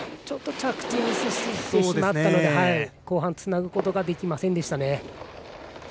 ちょっと着地でミスしてしまったので後半つなぐことができませんでしたね。